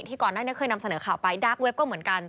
ก่อนหน้านี้เคยนำเสนอข่าวไปดาร์กเว็บก็เหมือนกัน